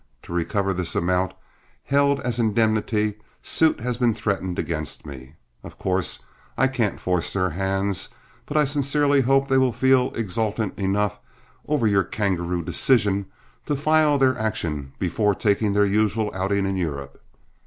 To recover this amount, held as indemnity, suit has been threatened against me. Of course I can't force their hands, but I sincerely hope they will feel exultant enough over your kangaroo decision to file their action before taking their usual outing in Europe.